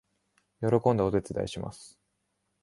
喜んでお手伝いします